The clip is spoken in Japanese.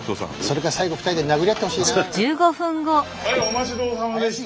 はいお待ちどおさまでした。